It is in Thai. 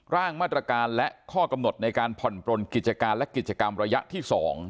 ร่างมาตรการและข้อกำหนดในการผ่อนปลนกิจการและกิจกรรมระยะที่๒